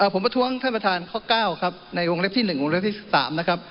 ผมประท้วงท่านประธานข้อเก้าครับในองค์เล็กที่หนึ่งองค์เล็กที่สิบสามนะครับ